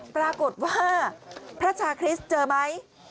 ปรากฏว่าพระชาคริสต์เจอไหม